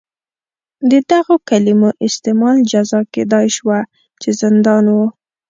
د دغو کلیمو استعمال جزا کېدای شوه چې زندان و.